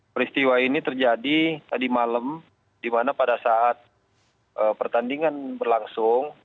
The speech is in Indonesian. peristiwa ini terjadi tadi malam di mana pada saat pertandingan berlangsung